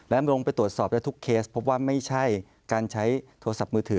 แล้วอำรวมไปตรวจสอบทุกเคสเพราะว่าไม่ใช่การใช้โทรศัพท์มือถือ